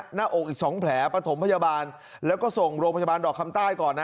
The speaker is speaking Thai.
หน้าอกอีก๒แผลประถมพยาบาลแล้วก็ส่งโรงพยาบาลดอกคำใต้ก่อนนะ